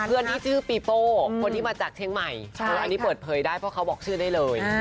เพื่อนที่ชื่อปีโป้คนที่มาจากเชียงใหม่อันนี้เปิดเผยได้เพราะเขาบอกชื่อได้เลย